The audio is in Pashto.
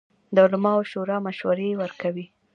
د علماوو شورا مشورې ورکوي